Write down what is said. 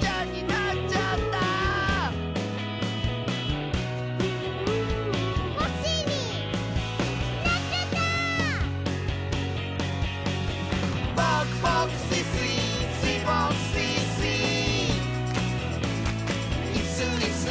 ちゃんになっちゃった」「コッシーになっちゃった」「ボクボクスイスイスイボクスイスイ」「イスイス」